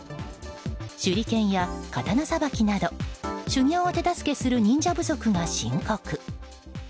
手裏剣や刀さばきなど修行を手助けする忍者不足が深刻。